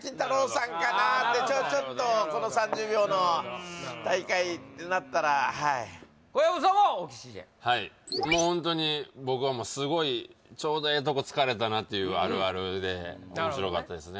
さんかなってちょっとこの３０秒の大会ってなったらはい小籔さんはオキシジェンはいもうホントに僕はすごいちょうどええとこつかれたなってあるあるで面白かったですね